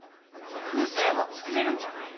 工夫すればつくれるんじゃない？